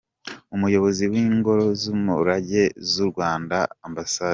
Umuyobozi w’Ingoro z’umurage z’u Rwanda, Amb.